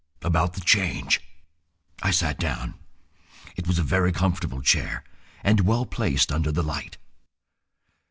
"About the change." I sat down. It was a very comfortable chair, and well placed under the light.